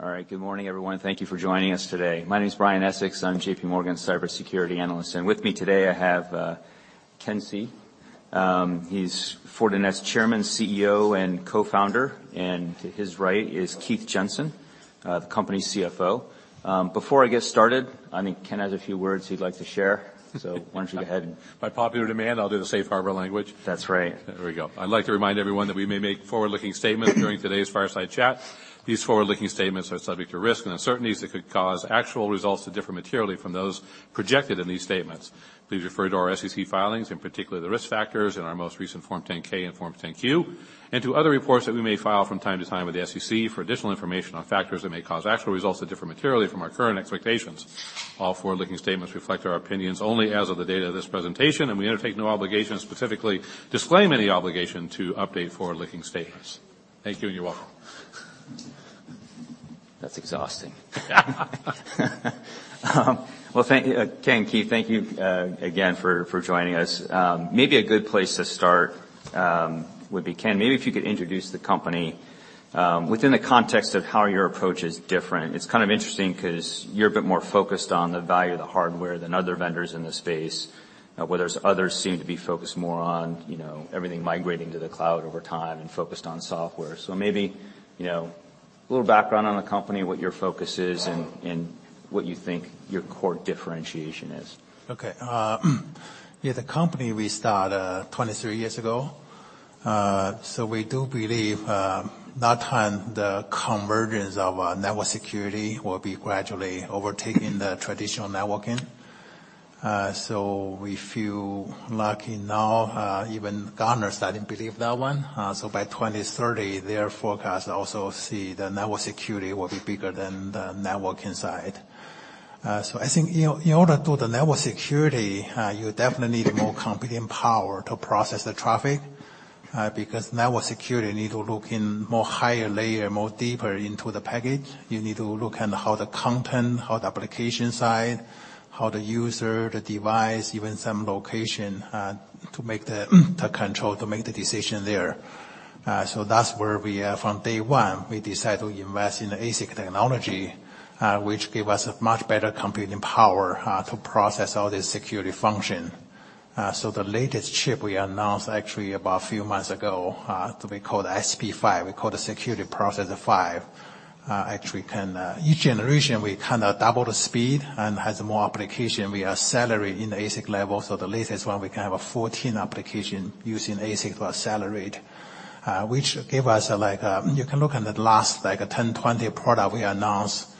All right. Good morning, everyone. Thank Thank you for joining us today. My name is Brian Essex, I'm JPMorgan's cybersecurity analyst. With me today, I have Ken Xie. He's Fortinet's Chairman, CEO, and Co-founder. To his right is Keith Jensen, the company's CFO. Before I get started, I think Ken has a few words he'd like to share. Why don't you go ahead and By popular demand, I'll do the safe harbor language. That's right. There we go. I'd like to remind everyone that we may make forward-looking statements during today's fireside chat. These forward-looking statements are subject to risks and uncertainties that could cause actual results to differ materially from those projected in these statements. Please refer to our SEC filings, and particularly the risk factors in our most recent Form 10-K and Form 10-Q, and to other reports that we may file from time to time with the SEC for additional information on factors that may cause actual results to differ materially from our current expectations. All forward-looking statements reflect our opinions only as of the date of this presentation, and we undertake no obligation, specifically disclaim any obligation, to update forward-looking statements. Thank you, and you're welcome. That's exhausting. Well, thank you, Ken, Keith, thank you again for joining us. Maybe a good place to start would be, Ken, maybe if you could introduce the company within the context of how your approach is different. It's kind of interesting 'cause you're a bit more focused on the value of the hardware than other vendors in the space. Whereas others seem to be focused more on, you know, everything migrating to the cloud over time and focused on software. Maybe, you know, a little background on the company, what your focus is and what you think your core differentiation is. Okay. Yeah, the company we start 23 years ago. We do believe that time the convergence of network security will be gradually overtaking the traditional networking. We feel lucky now, even Gartner's starting to believe that one. By 2030, their forecast also see the network security will be bigger than the networking side. I think, you know, in order to do the network security, you definitely need more computing power to process the traffic. Because network security need to look in more higher layer, more deeper into the packet. You need to look at how the content, how the application side, how the user, the device, even some location, to make the control, to make the decision there. That's where we are from day one. We decide to invest in the ASIC technology, which give us a much better computing power to process all the security function. The latest chip we announced actually about a few months ago, to be called SP5. We call the Security Processor 5. Actually can. Each generation, we kind of double the speed and has more application. We are accelerating at the ASIC level, so the latest one, we can have a 14 application using ASIC for Accelerate. You can look at the last, like, 10, 20 product we announced.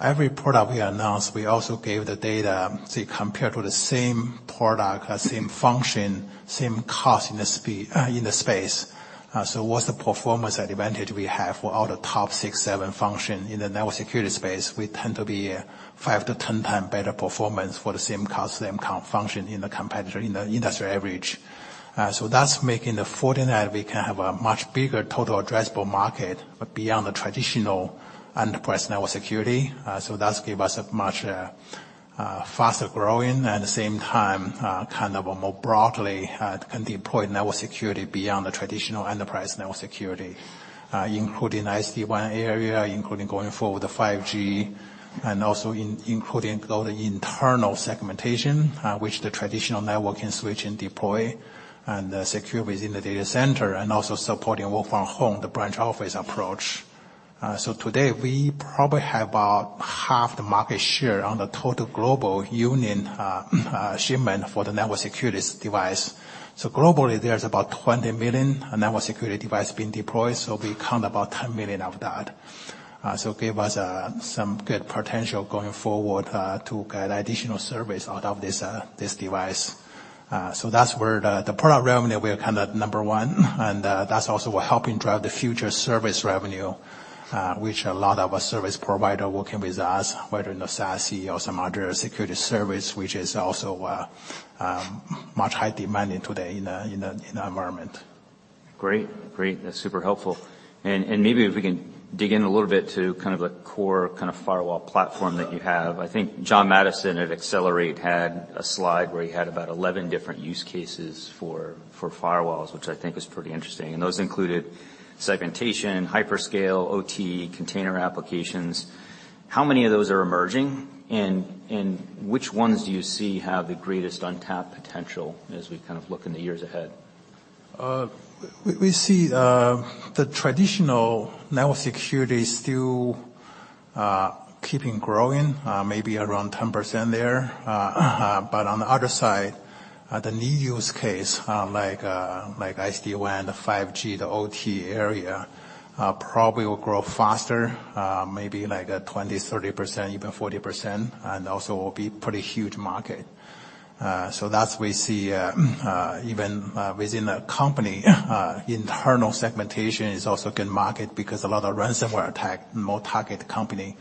Every product we announced, we also gave the data. See, compared to the same product, same function, same cost in the speed, in the space. What's the performance advantage we have for all the top 6, 7 function in the network security space, we tend to be 5 to 10 times better performance for the same cost, same count function in the competitor, in the industry average. That's making the Fortinet. We can have a much bigger total addressable market beyond the traditional enterprise network security. That's give us a much, faster growing, at the same time, kind of a more broadly, can deploy network security beyond the traditional enterprise network security. Including SD-WAN area, including going forward with the 5G, and also including all the internal segmentation, which the traditional networking switch and deploy, and secure within the data center, and also supporting work from home, the branch office approach. Today, we probably have about half the market share on the total global union shipment for the network security device. Globally, there's about 20 million network security device being deployed, so we count about 10 million of that. Give us some good potential going forward to get additional service out of this device. That's where the product revenue, we are kind of number one. That's also what helping drive the future service revenue, which a lot of our service provider working with us, whether in the SASE or some other security service, which is also much high demanding today in a environment. Great. That's super helpful. Maybe if we can dig in a little bit to kind of the core kind of firewall platform that you have. I think John Maddison at Accelerate had a slide where he had about 11 different use cases for firewalls, which I think is pretty interesting. Those included segmentation, hyperscale, OT, container applications. How many of those are emerging? Which ones do you see have the greatest untapped potential as we kind of look in the years ahead? We see the traditional network security is still keeping growing maybe around 10% there. On the other side, the new use case, like SD-WAN, the 5G, the OT area, probably will grow faster, maybe like 20%, 30%, even 40%, and also will be pretty huge market. That's we see even within a company, internal segmentation is also good market because a lot of ransomware attack more target company,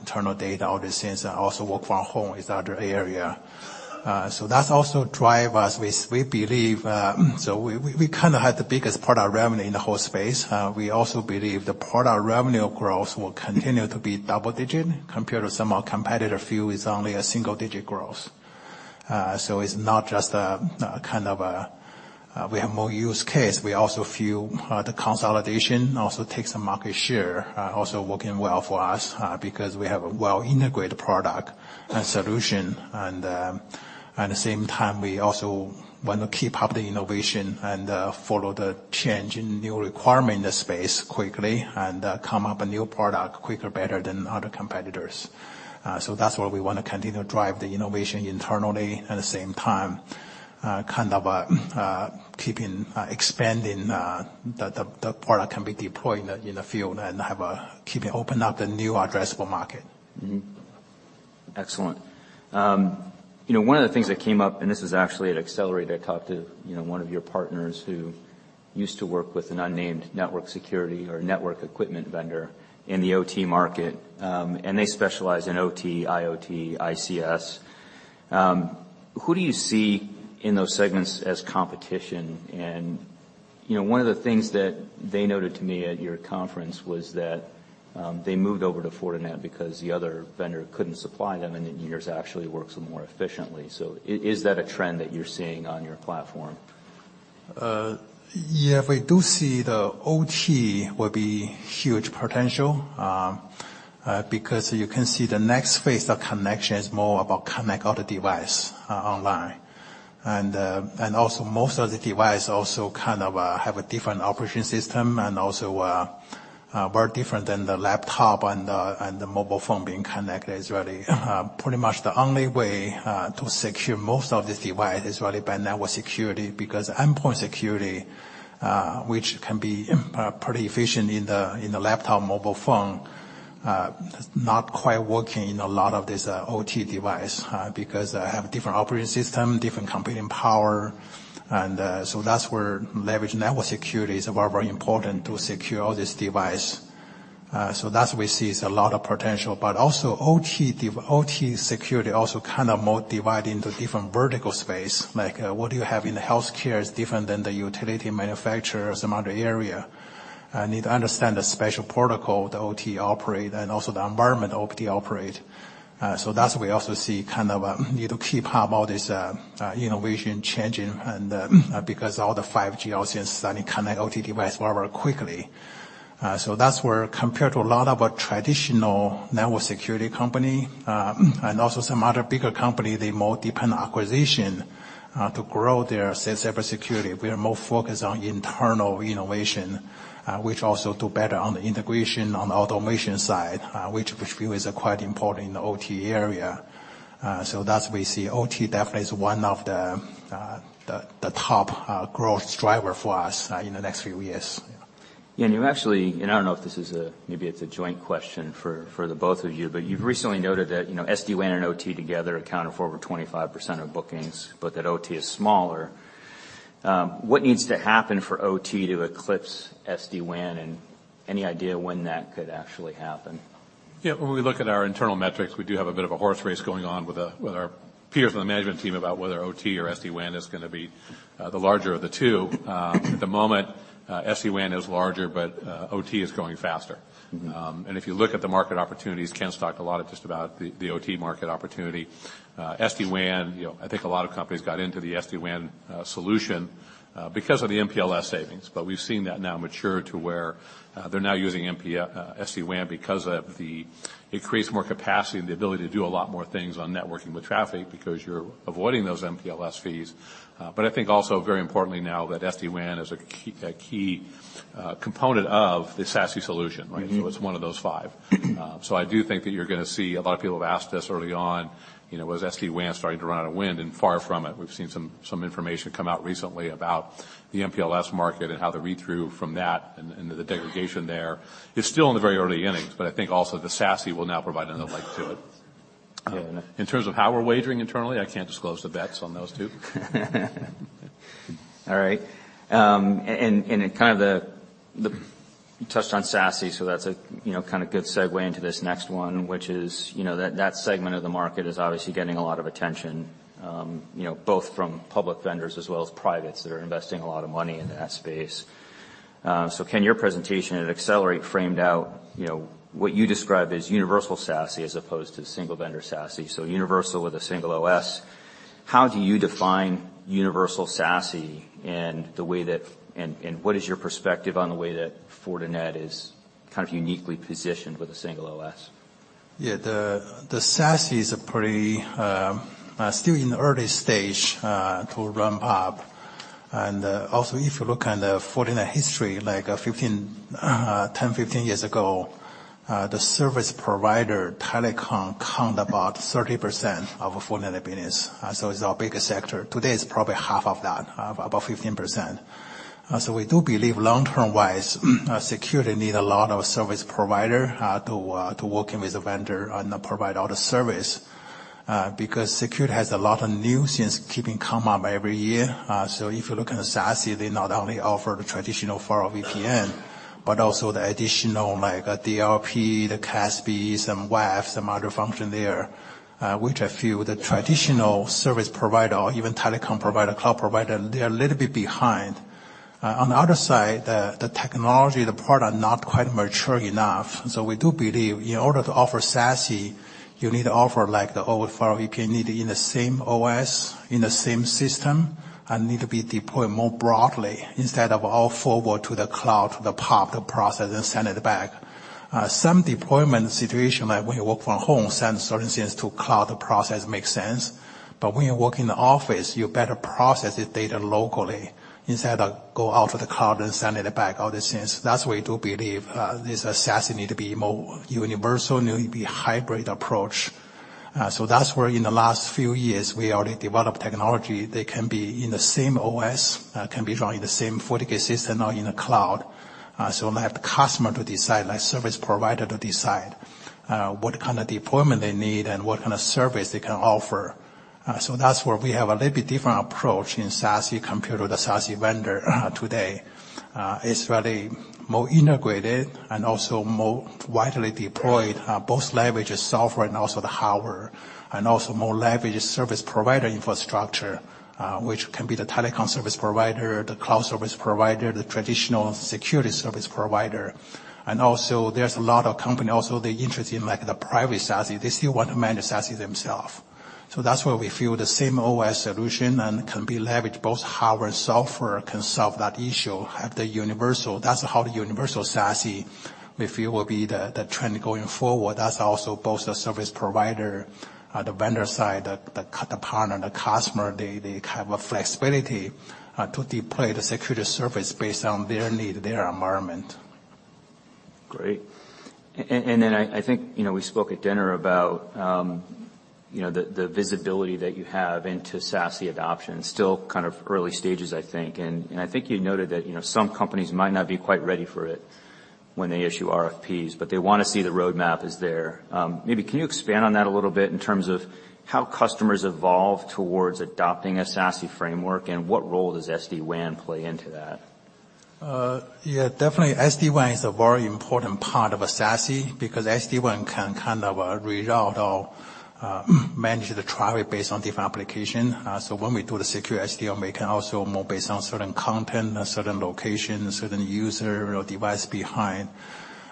internal data, all these things. Also work from home is another area. That also drive us. We believe, so we kind of have the biggest product revenue in the whole space. We also believe the product revenue growth will continue to be double-digit compared to some of our competitor, few is only a single-digit growth. It's not just a kind of a, we have more use case. We also feel the consolidation also takes the market share, also working well for us because we have a well-integrated product and solution. At the same time, we also want to keep up the innovation and follow the change in new requirement space quickly and come up with a new product quicker, better than other competitors. That's where we wanna continue to drive the innovation internally. At the same time, kind of keeping expanding the product can be deployed in the field and keeping open up the new addressable market. Mm-hmm. Excellent. You know, one of the things that came up, and this was actually at Accelerate, I talked to, you know, one of your partners who used to work with an unnamed network security or network equipment vendor in the OT market, and they specialize in OT, IoT, ICS. Who do you see in those segments as competition? You know, one of the things that they noted to me at your conference was that, they moved over to Fortinet because the other vendor couldn't supply them, and yours actually works more efficiently. Is that a trend that you're seeing on your platform? Yeah, we do see the OT will be huge potential, because you can see the next phase of connection is more about connect other device online. Also most of the device also kind of have a different operating system, and also work different than the laptop and the mobile phone being connected is really pretty much the only way to secure most of this device is really by network security, because endpoint security which can be pretty efficient in the laptop, mobile phone, not quite working in a lot of this OT device, because they have different operating system, different computing power. That's where leverage network security is very, very important to secure all this device. That we sees a lot of potential. also OT security also kind of more divide into different vertical space. Like what do you have in the healthcare is different than the utility manufacturer, some other area. Need to understand the special protocol the OT operate and also the environment OT operate. So that we also see kind of, you know, keep up all this innovation changing and because all the 5G also is starting to connect OT device very, very quickly. That's where compared to a lot of a traditional network security company, and also some other bigger company, they more depend on acquisition, to grow their sales cybersecurity. We are more focused on internal innovation, which also do better on the integration on the automation side, which we view as quite important in the OT area. So that we see OT definitely as one of the top growth driver for us in the next few years. Yeah. You actually, and I don't know if this is a, maybe it's a joint question for the both of you, but you've recently noted that, you know, SD-WAN and OT together accounted for over 25% of bookings, but that OT is smaller. What needs to happen for OT to eclipse SD-WAN? Any idea when that could actually happen? Yeah. When we look at our internal metrics, we do have a bit of a horse race going on with our peers on the management team about whether OT or SD-WAN is gonna be the larger of the two. At the moment, SD-WAN is larger, but OT is growing faster. If you look at the market opportunities, Ken's talked a lot just about the OT market opportunity. SD-WAN, you know, I think a lot of companies got into the SD-WAN solution because of the MPLS savings. We've seen that now mature to where they're now usingSD-WAN because of the, it creates more capacity and the ability to do a lot more things on networking with traffic because you're avoiding those MPLS fees. I think also very importantly now that SD-WAN is a key component of the SASE solution, right? Mm-hmm. It's one of those five. I do think that you're gonna see a lot of people have asked this early on, you know, was SD-WAN starting to run out of wind, and far from it. We've seen some information come out recently about the MPLS market and how the read-through from that and the degradation there. It's still in the very early innings. I think also the SASE will now provide another leg to it. Yeah. In terms of how we're wagering internally, I can't disclose the bets on those two. All right. In kind of the you touched on SASE, so that's a, you know, kind of good segue into this next one, which is, you know, that segment of the market is obviously getting a lot of attention, you know, both from public vendors as well as privates that are investing a lot of money into that space. Ken, your presentation at Accelerate framed out, you know, what you describe as universal SASE as opposed to single vendor SASE. Universal with a single OS. How do you define universal SASE? What is your perspective on the way that Fortinet is kind of uniquely positioned with a single OS? Yeah. The SASE is a pretty still in the early stage to ramp up. Also if you look at the Fortinet history, like 15, 10, 15 years ago, the service provider telecom count about 30% of Fortinet business. It's our biggest sector. Today, it's probably half of that, about 15%. We do believe long-term wise, security need a lot of service provider to working with the vendor and provide all the service, because security has a lot of new things keeping come up every year. If you look at SASE, they not only offer the traditional Firewall VPN, but also the additional, like a DLP, the CASB, some WAF, some other function there, which I feel the traditional service provider or even telecom provider, cloud provider, they're a little bit behind. On the other side, the technology, the product not quite mature enough. We do believe in order to offer SASE. You need to offer like the old firewall you can need in the same OS, in the same system, and need to be deployed more broadly instead of all forward to the cloud, to the PoP, the process, and send it back. Some deployment situation, like when you work from home, send certain things to cloud, the process makes sense. When you work in the office, you better process the data locally instead of go out to the cloud and send it back, all these things. That's why we do believe, this SASE need to be more universal, need to be hybrid approach. That's where in the last few years we already developed technology that can be in the same OS, can be running the same FortiGate system or in the cloud. We'll have the customer to decide, like service provider to decide, what kind of deployment they need and what kind of service they can offer. That's where we have a little bit different approach in SASE compared to the SASE vendor, today. It's really more integrated and also more widely deployed, both leverage the software and also the hardware. More leverage service provider infrastructure, which can be the telecom service provider, the cloud service provider, the traditional security service provider. There's a lot of company also they're interested in, like, the private SASE. They still want to manage SASE themselves. That's why we feel the same OS solution and can be leveraged both hardware and software can solve that issue at the universal. That's how the universal SASE we feel will be the trend going forward. Also both the service provider, the vendor side, the partner, the customer, they have a flexibility to deploy the security service based on their need, their environment. Great. I think, you know, we spoke at dinner about, you know, the visibility that you have into SASE adoption. Still kind of early stages, I think. I think you noted that, you know, some companies might not be quite ready for it when they issue RFPs, but they wanna see the roadmap is there. Maybe can you expand on that a little bit in terms of how customers evolve towards adopting a SASE framework, and what role does SD-WAN play into that? Yeah, definitely SD-WAN is a very important part of a SASE because SD-WAN can kind of reroute or manage the traffic based on different application. So when we do the Secure SD, we can also more based on certain content, certain location, certain user or device behind.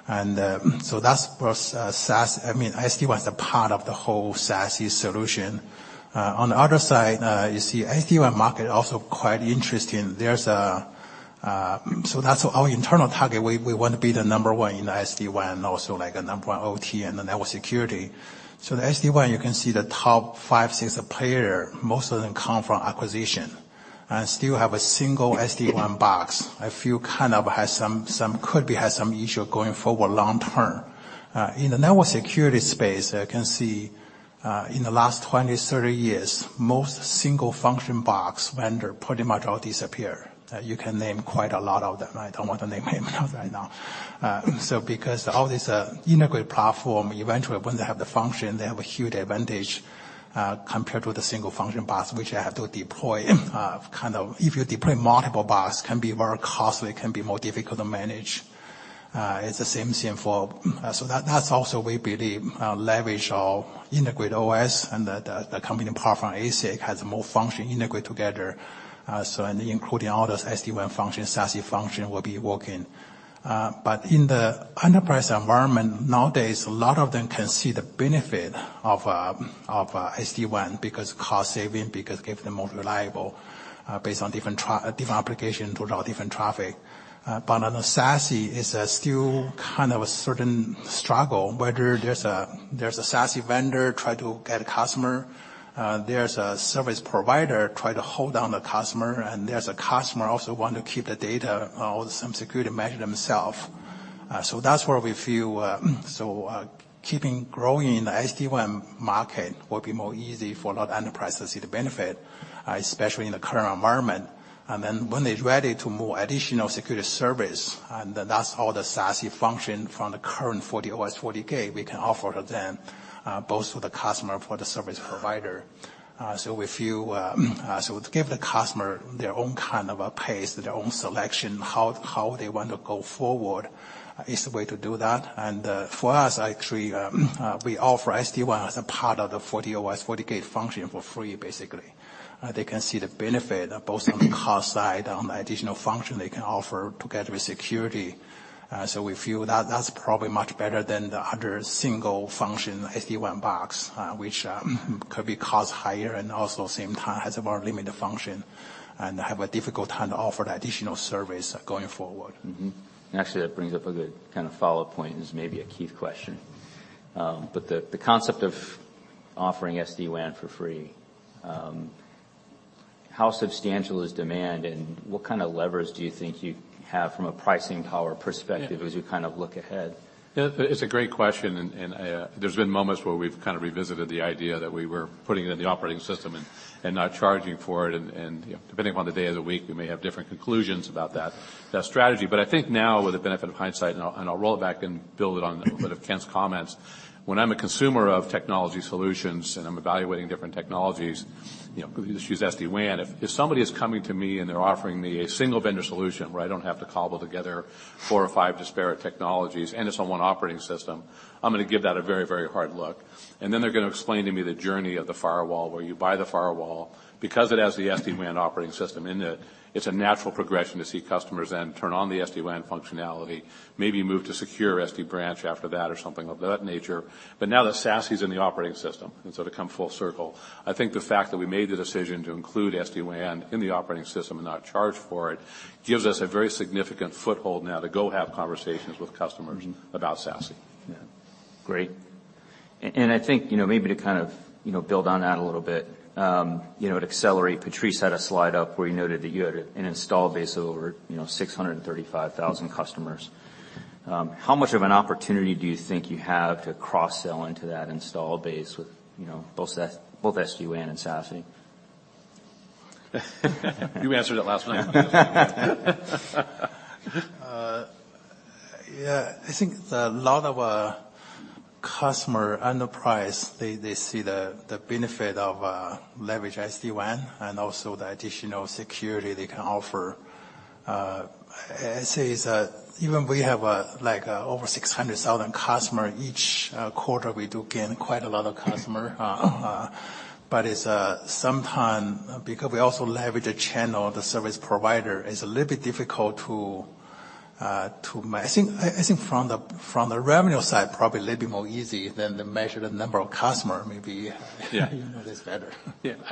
That's where SD-WAN is a part of the whole SASE solution. On the other side, you see SD-WAN market also quite interesting. There's a. That's our internal target. We want to be the number one in SD-WAN, also like a number one OT and the network security. The SD-WAN, you can see the top 5, 6 player, most of them come from acquisition and still have a single SD-WAN box. I feel kind of could be has some issue going forward long term. In the network security space, I can see, in the last 20, 30 years, most single function box vendor pretty much all disappear. You can name quite a lot of them. I don't want to name any of them right now. Because all this, integrated platform, eventually when they have the function, they have a huge advantage, compared to the single function box, which you have to deploy. If you deploy multiple box, can be very costly, can be more difficult to manage. That, that's also we believe, leverage our integrated OS and the computing power from ASIC has more function integrated together. Including all those SD-WAN function, SASE function will be working. In the enterprise environment nowadays, a lot of them can see the benefit of SD-WAN because cost saving, because give the most reliable, based on different application to route different traffic. On the SASE, it's still kind of a certain struggle whether there's a SASE vendor try to get a customer, there's a service provider try to hold down the customer, and there's a customer also want to keep the data or some security measure themselves. That's where we feel keeping growing in the SD-WAN market will be more easy for a lot of enterprises to see the benefit, especially in the current environment. When they're ready to move additional security service, and that's all the SASE function from the current FortiOS FortiGate, we can offer to them, both for the customer, for the service provider. We feel, so to give the customer their own kind of a pace, their own selection, how they want to go forward is the way to do that. For us, actually, we offer SD-WAN as a part of the FortiOS FortiGate function for free, basically. They can see the benefit both on the cost side, on the additional function they can offer together with security. We feel that that's probably much better than the other single function SD-WAN box, which could be cost higher and also same time has a more limited function, and have a difficult time to offer the additional service going forward. That brings up a good kind of follow-up point. This may be a Keith question. The concept of offering SD-WAN for free, how substantial is demand, and what kind of levers do you think you have from a pricing power perspective? Yeah. as you kind of look ahead? Yeah, it's a great question, and there's been moments where we've kind of revisited the idea that we were putting it in the operating system and not charging for it. You know, depending upon the day of the week, we may have different conclusions about that strategy. I think now with the benefit of hindsight, and I'll roll it back and build it on a bit of Ken's comments, when I'm a consumer of technology solutions and I'm evaluating different technologies, you know, just use SD-WAN, if somebody is coming to me and they're offering me a single vendor solution where I don't have to cobble together four or five disparate technologies and it's on one operating system, I'm gonna give that a very, very hard look. They're gonna explain to me the journey of the firewall, where you buy the firewall. It has the SD-WAN operating system in it's a natural progression to see customers then turn on the SD-WAN functionality, maybe move to Secure SD-Branch after that or something of that nature. Now that SASE's in the operating system, to come full circle, I think the fact that we made the decision to include SD-WAN in the operating system and not charge for it, gives us a very significant foothold now to go have conversations with customers about SASE. Yeah. Great. I think, you know, maybe to kind of, you know, build on that a little bit, you know, at Accelerate, Patrice had a slide up where he noted that you had an install base of over, you know, 635,000 customers. How much of an opportunity do you think you have to cross-sell into that installed base with, you know, both SD-WAN and SASE? You answered that last night. Yeah. I think a lot of our customer enterprise, they see the benefit of leverage SD-WAN and also the additional security they can offer. I'd say is that even we have, like, over 600,000 customer eachQ4. We do gain quite a lot of customer. It's sometime because we also leverage the channel, the service provider, it's a little bit difficult to. I think, I think from the, from the revenue side, probably a little bit more easy than to measure the number of customer maybe. Yeah. You know this better.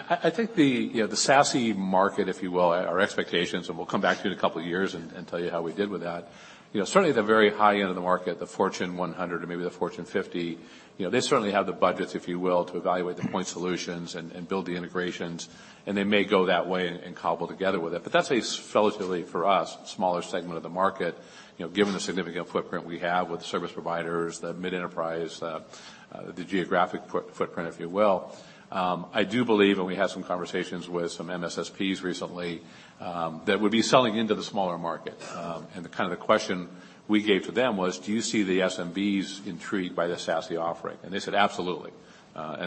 I think the, you know, the SASE market, if you will, our expectations, and we'll come back to you in a couple of years and tell you how we did with that. You know, certainly the very high end of the market, the Fortune 100 or maybe the Fortune 50, you know, they certainly have the budgets, if you will, to evaluate the point solutions and build the integrations, and they may go that way and cobble together with it. That's a relatively, for us, smaller segment of the market, you know, given the significant footprint we have with service providers, the mid-enterprise, the geographic footprint, if you will. I do believe, and we had some conversations with some MSSPs recently, that would be selling into the smaller market. The kind of the question we gave to them was, "Do you see the SMBs intrigued by the SASE offering?" They said, "Absolutely."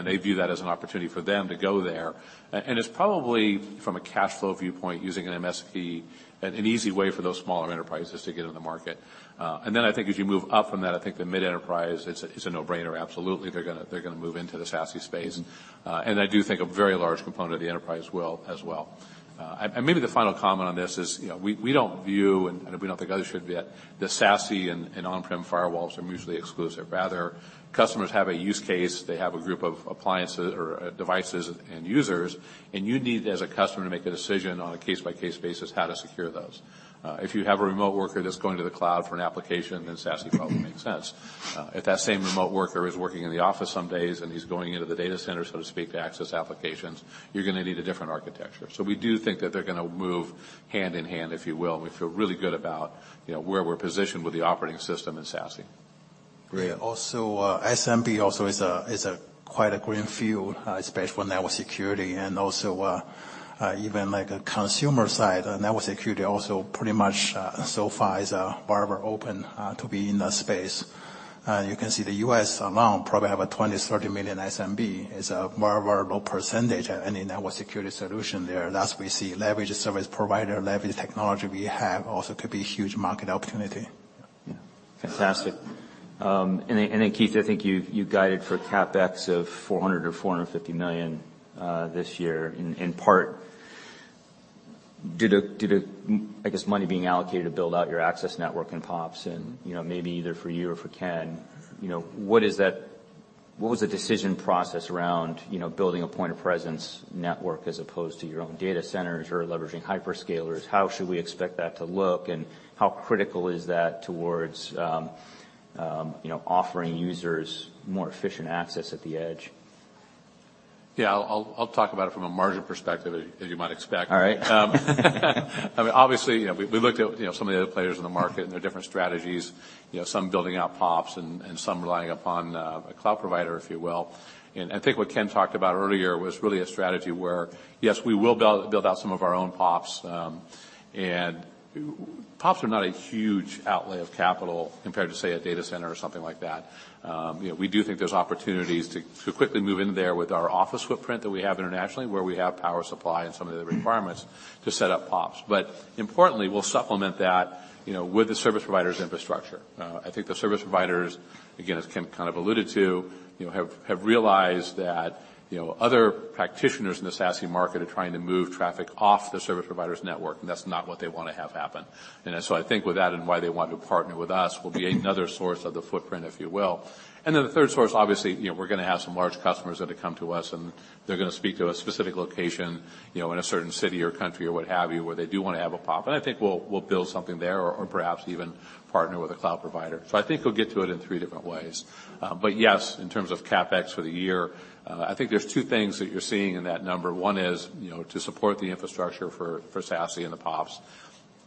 They view that as an opportunity for them to go there. It's probably from a cash flow viewpoint using an MSP an easy way for those smaller enterprises to get into the market. Then I think as you move up from that, I think the mid-enterprise, it's a no-brainer, absolutely. They're gonna, they're gonna move into the SASE space. I do think a very large component of the enterprise will as well. Maybe the final comment on this is, you know, we don't view, and we don't think others should, that the SASE and on-prem firewalls are mutually exclusive. Rather, customers have a use case. They have a group of appliances or devices and users, and you need, as a customer, to make a decision on a case-by-case basis how to secure those. If you have a remote worker that's going to the cloud for an application, then SASE probably makes sense. If that same remote worker is working in the office some days and he's going into the data center, so to speak, to access applications, you're gonna need a different architecture. We do think that they're gonna move hand in hand, if you will. We feel really good about, you know, where we're positioned with the operating system in SASE. Great. SMB also is a quite a green field, especially for network security and also, even like a consumer side. Network security also pretty much, so far is wide open, to be in the space. You can see the U.S. alone probably have a 20, 30 million SMB. Is a very, very low percentage any network security solution there. That we see leverage service provider, leverage technology we have also could be huge market opportunity. Yeah. Fantastic. Keith, I think you guided for CapEx of $400 million or $450 million this year in part due to, I guess, money being allocated to build out your access network and PoP, and you know, maybe either for you or for Ken, you know, What was the decision process around, you know, building a point of presence network as opposed to your own data centers or leveraging hyperscalers? How should we expect that to look, and how critical is that towards, you know, offering users more efficient access at the edge? Yeah. I'll talk about it from a margin perspective as you might expect. All right. I mean, obviously, you know, we looked at, you know, some of the other players in the market and their different strategies. You know, some building out PoP and some relying upon a cloud provider, if you will. I think what Ken talked about earlier was really a strategy where, yes, we will build out some of our own PoP. PoP are not a huge outlay of capital compared to, say, a data center or something like that. You know, we do think there's opportunities to quickly move in there with our office footprint that we have internationally, where we have power supply and some of the requirements to set up PoP. Importantly, we'll supplement that, you know, with the service provider's infrastructure. I think the service providers, again, as Ken kind of alluded to, have realized that other practitioners in the SASE market are trying to move traffic off the service provider's network, and that's not what they wanna have happen. I think with that and why they want to partner with us will be another source of the footprint, if you will. The third source, obviously, we're gonna have some large customers that have come to us, and they're gonna speak to a specific location, in a certain city or country or what have you, where they do wanna have a PoP. I think we'll build something there or perhaps even partner with a cloud provider. I think we'll get to it in three different ways. Yes, in terms of CapEx for the year, I think there's two things that you're seeing in that number. One is, you know, to support the infrastructure for SASE and the PoP.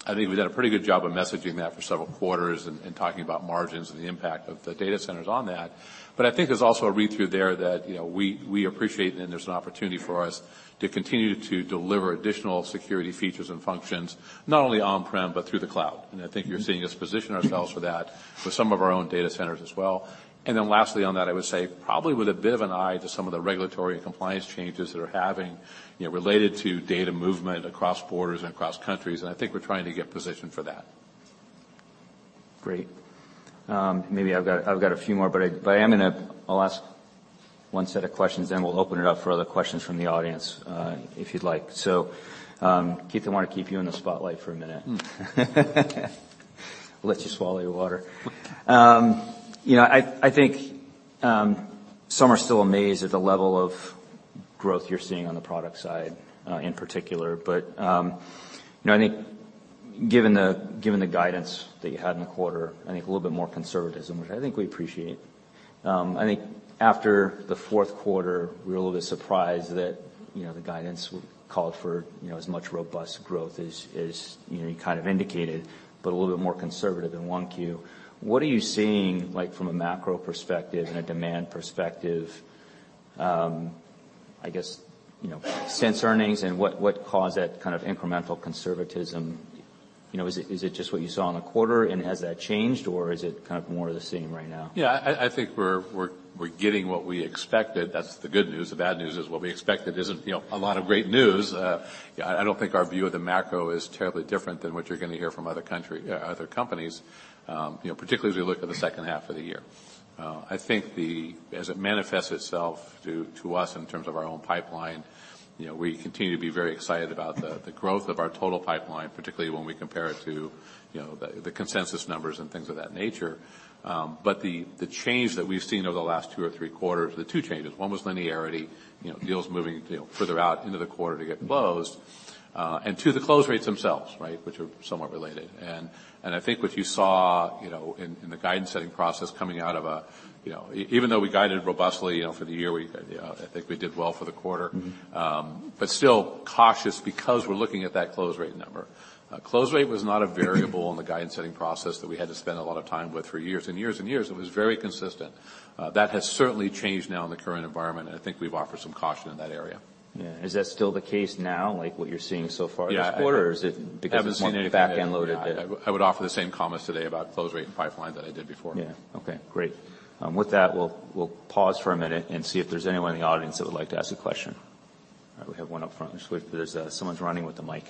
I think we've done a pretty good job of messaging that for several quarters and talking about margins and the impact of the data centers on that. I think there's also a read-through there that, you know, we appreciate and there's an opportunity for us to continue to deliver additional security features and functions, not only on-prem, but through the cloud. I think you're seeing us position ourselves for that with some of our own data centers as well. Lastly on that, I would say probably with a bit of an eye to some of the regulatory and compliance changes that are having, you know, related to data movement across borders and across countries, I think we're trying to get positioned for that. Great. maybe I've got, I've got a few more, but I I'll ask one set of questions, then we'll open it up for other questions from the audience, if you'd like. Keith, I wanna keep you in the spotlight for a minute. I'll let you swallow your water. you know, I think, some are still amazed at the growth you're seeing on the product side, in particular. you know, I think given the, given the guidance that you had in the quarter, I think a little bit more conservatism, which I think we appreciate. I think after the Q4, we're a little bit surprised that, you know, the guidance called for, you know, as much robust growth as, you know, you kind of indicated, but a little bit more conservative in 1Q. What are you seeing, like, from a macro perspective and a demand perspective, I guess, you know, since earnings, and what caused that kind of incremental conservatism? You know, is it, is it just what you saw in the quarter, and has that changed, or is it kind of more of the same right now? I think we're getting what we expected. That's the good news. The bad news is what we expected isn't, you know, a lot of great news. I don't think our view of the macro is terribly different than what you're gonna hear from other country, other companies, you know, particularly as we look at the second half of the year. I think as it manifests itself to us in terms of our own pipeline, you know, we continue to be very excited about the growth of our total pipeline, particularly when we compare it to, you know, the consensus numbers and things of that nature. The, the change that we've seen over the last 2 or 3 quarters, the 2 changes, 1 was linearity, you know, deals moving, you know, further out into the quarter to get closed. 2, the close rates themselves, right? Which are somewhat related. I think what you saw, you know, in the guidance setting process coming out of a, you know. Even though we guided robustly, you know, for the year, we, I think we did well for the quarter. Mm-hmm. Still cautious because we're looking at that close rate number. Close rate was not a variable in the guidance setting process that we had to spend a lot of time with for years and years and years. It was very consistent. That has certainly changed now in the current environment, and I think we've offered some caution in that area. Yeah. Is that still the case now, like what you're seeing so far this quarter? Yeah. is it because it's more back-end loaded? I haven't seen anything to indicate. Yeah. I would offer the same comments today about close rate and pipeline that I did before. Yeah. Okay. Great. With that, we'll pause for a minute and see if there's anyone in the audience that would like to ask a question. All right. We have one up front. Just wait, there's someone's running with the mic.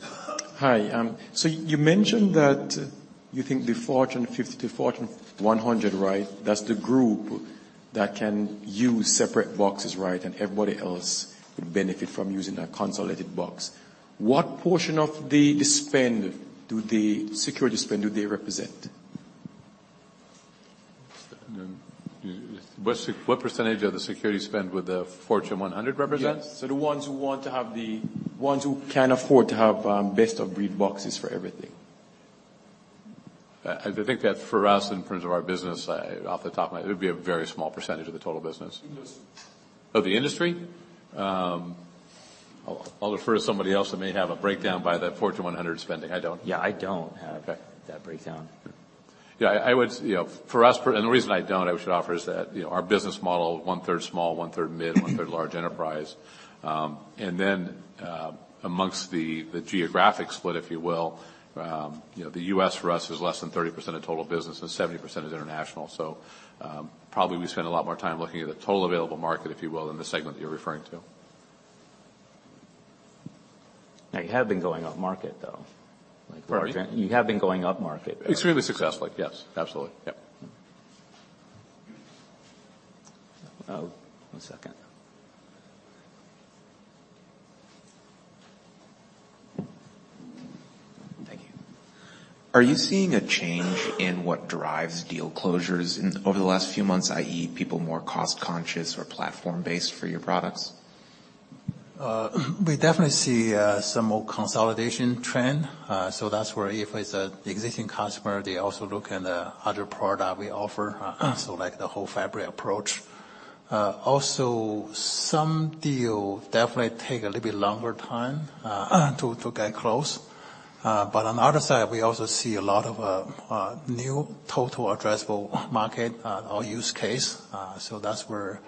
Yeah. Hi. You mentioned that you think the Fortune 50 to Fortune 100, right? That's the group that can use separate boxes, right? Everybody else would benefit from using a consolidated box. What portion of the spend do the security spend do they represent? What percentage of the security spend would the Fortune 100 represent? Yes. The ones who want to have the ones who can afford to have, best-of-breed boxes for everything. I think that for us, in terms of our business, off the top of my head, it would be a very small percentage of the total business. Industry. Of the industry? I'll refer to somebody else that may have a breakdown by the Fortune 100 spending. I don't. Yeah. I don't have Okay. that breakdown. Yeah, I would you know, for us, the reason I don't, I should offer, is that, you know, our business model one-third small, one-third mid, one-third large enterprise. Then, amongst the geographic split, if you will, you know, the US for us is less than 30% of total business and 70% is international. Probably we spend a lot more time looking at the total available market, if you will, than the segment you're referring to. Now, you have been going upmarket, though. Pardon? You have been going upmarket. Extremely successfully, yes. Absolutely. Yep. One second. Thank you. Are you seeing a change in what drives deal closures over the last few months, i.e. people more cost-conscious or platform-based for your products? We definitely see some more consolidation trend. That's where if it's a, the existing customer, they also look at the other product we offer, so like the whole fabric approach. Also some deal definitely take a little bit longer time to get close. On the other side, we also see a lot of new total addressable market or use case. That's where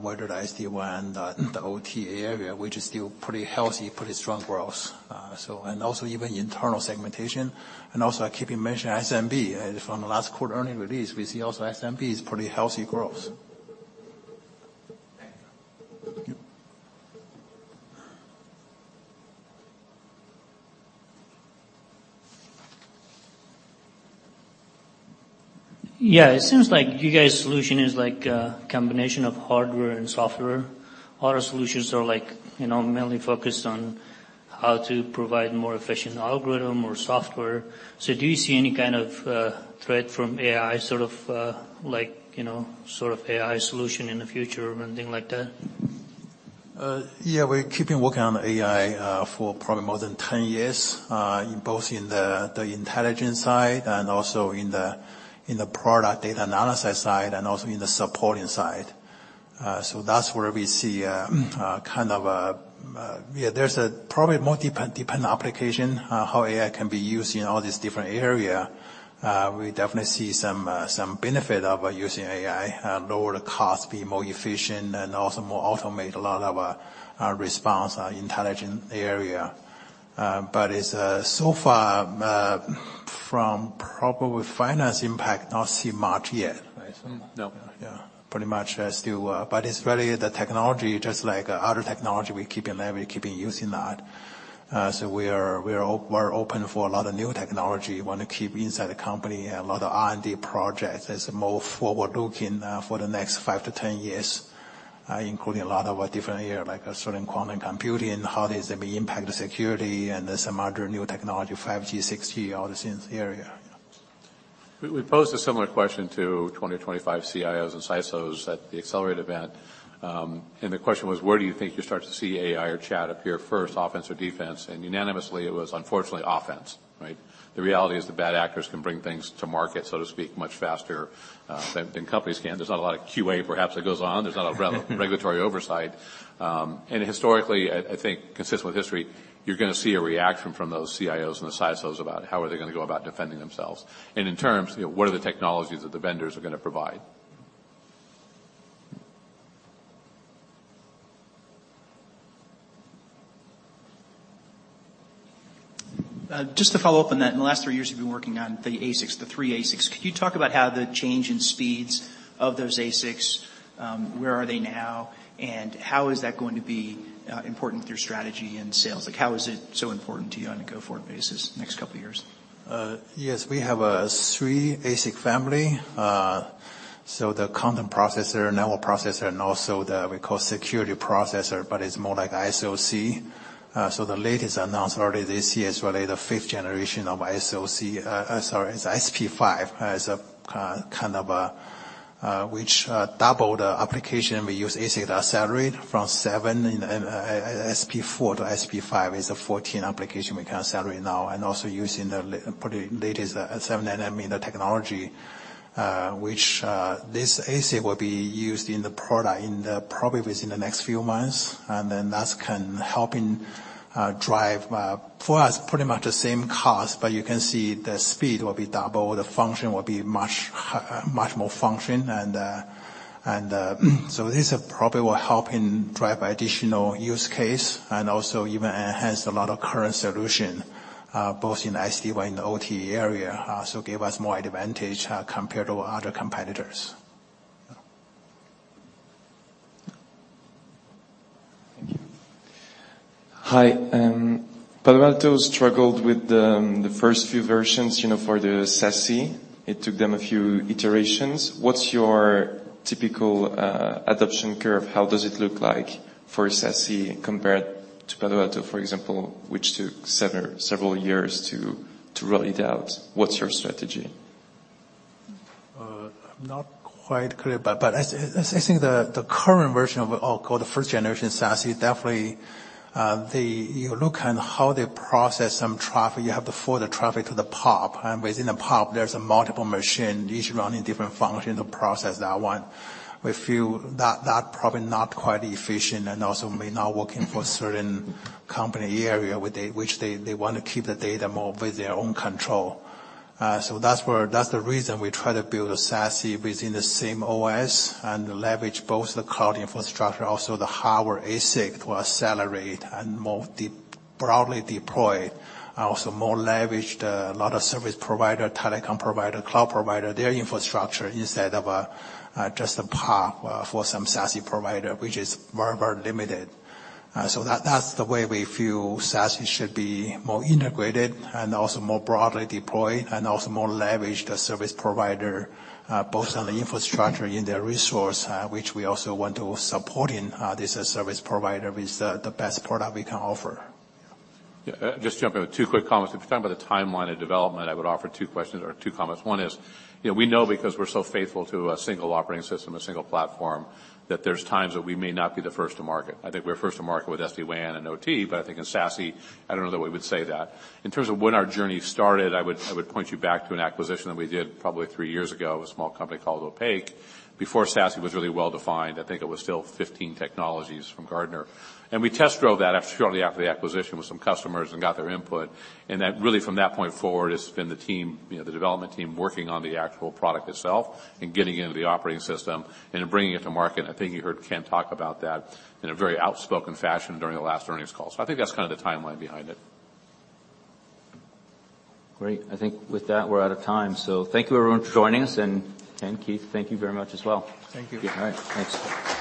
whether SD-WAN, the OTA area, which is still pretty healthy, pretty strong growth. Also even internal segmentation, and also I keep mentioning SMB. From the last quarter earnings release, we see also SMB is pretty healthy growth. Thank you. Thank you. Yeah. It seems like you guys' solution is like a combination of hardware and software. Other solutions are like, you know, mainly focused on how to provide more efficient algorithm or software. Do you see any kind of threat from AI, sort of, like, you know, sort of AI solution in the future or anything like that? Yeah, we're keeping working on AI for probably more than 10 years, both in the intelligence side and also in the product data analysis side, and also in the supporting side. That's where we see kind of a different application, how AI can be used in all these different area. We definitely see some benefit of using AI, lower the cost, be more efficient and also more automate a lot of our response, our intelligent area. It's so far, from probably finance impact, not see much yet. Right. No. Pretty much still, but it's really the technology, just like other technology we keep learning, we keep using that. We are open for a lot of new technology, wanna keep inside the company. A lot of R&D projects. It's more forward-looking, for the next 5-10 years. Including a lot of different area, like certain quantum computing, how does it impact the security, and there's some other new technology, 5G, 6G, all this in the area. We posed a similar question to 20 to 25 CIOs and CISOs at the Accelerate event. The question was, where do you think you start to see AI or Chat appear first, offense or defense? Unanimously it was unfortunately offense, right? The reality is the bad actors can bring things to market, so to speak, much faster than companies can. There's not a lot of QA perhaps that goes on. There's not a re-regulatory oversight. And historically, I think consistent with history, you're gonna see a reaction from those CIOs and the CISOs about how are they gonna go about defending themselves. In terms, you know, what are the technologies that the vendors are gonna provide. Just to follow up on that, in the last three years you've been working on the ASICs, the three ASICs. Could you talk about how the change in speeds of those ASICs, where are they now and how is that going to be important to your strategy and sales? Like, how is it so important to you on a go-forward basis next couple years? Yes, we have a three ASIC family. The content processor, network processor, and also the, we call security processor, but it's more like SOC. The latest announced already this year is really the fifth generation of SOC. Sorry, it's SP5 as a kind of a, which double the application we use ASIC to accelerate from 7 SP4 to SP5 is a 14 application we can accelerate now. Using the probably latest 7 nm in the technology, which this ASIC will be used in the product probably within the next few months. That can helping drive for us pretty much the same cost, but you can see the speed will be double, the function will be much more function. This probably will help in drive additional use case and also even enhance a lot of current solution, both in SD-WAN and OT area, so give us more advantage compared to other competitors. Yeah. Thank you. Hi. Palo Alto struggled with the first few versions, you know, for the SASE. It took them a few iterations. What's your typical adoption curve? How does it look like for SASE compared to Palo Alto, for example, which took several years to roll it out? What's your strategy? Not quite clear, but as I think the current version of all called the first generation SASE, definitely, You look at how they process some traffic, you have to forward the traffic to the PoP. Within the PoP there's a multiple machine, each running different functional process at one. We feel that probably not quite efficient and also may not working for certain company area where they, which they wanna keep the data more with their own control. That's where, that's the reason we try to build a SASE within the same OS and leverage both the cloud infrastructure, also the hardware ASIC to accelerate and more broadly deploy. More leverage. lot of service provider, telecom provider, cloud provider, their infrastructure instead of, just a POP, for some SASE provider which is very, very limited. That's the way we feel SASE should be more integrated and also more broadly deployed, and also more leverage the service provider, both on the infrastructure in their resource, which we also want to support in, this service provider with the best product we can offer. Just jumping in with 2 quick comments. If you're talking about the timeline of development, I would offer 2 questions or 2 comments. 1 is, you know, we know because we're so faithful to a single operating system, a single platform, that there's times that we may not be the first to market. I think we're first to market with SD-WAN and OT, but I think in SASE, I don't know that we would say that. In terms of when our journey started, I would point you back to an acquisition that we did probably 3 years ago with a small company called Opaq before SASE was really well defined. I think it was still 15 technologies from Gartner. We test drove that shortly after the acquisition with some customers and got their input, and that really from that point forward, it's been the team, you know, the development team working on the actual product itself and getting it into the operating system and bringing it to market. I think you heard Ken talk about that in a very outspoken fashion during the last earnings call. I think that's kind of the timeline behind it. Great. I think with that, we're out of time. Thank you everyone for joining us. Ken, Keith, thank you very much as well. Thank you. All right. Thanks.